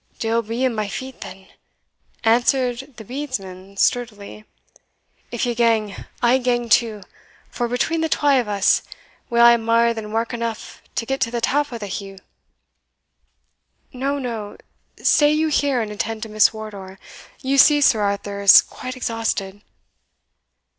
"Dell be in my feet then," answered the bedesman sturdily; "if ye gang, I'll gang too; for between the twa o' us, we'll hae mair than wark eneugh to get to the tap o' the heugh." "No, no stay you here and attend to Miss Wardour you see Sir Arthur is quite exhausted."